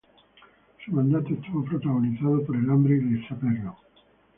Su mandato estuvo protagonizado por el hambre y el estraperlo.